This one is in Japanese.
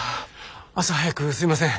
朝早くすいません。